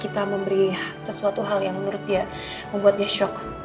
kita memberi sesuatu hal yang menurut dia membuatnya shock